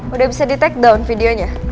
udah bisa di takedown videonya